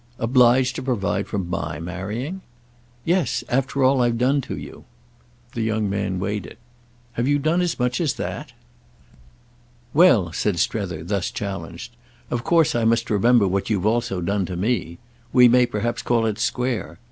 "Obliged to provide for my marrying?" "Yes—after all I've done to you!" The young man weighed it. "Have you done as much as that?" "Well," said Strether, thus challenged, "of course I must remember what you've also done to me. We may perhaps call it square.